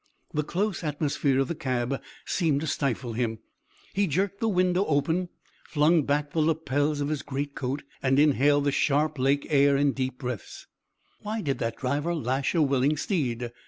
The close atmosphere of the cab seemed to stifle him: he jerked the window open, flung back the lapels of his great coat, and inhaled the sharp Lake air in deep breaths. Why did that driver lash a willing steed?